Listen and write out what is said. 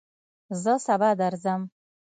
زه سبا درځم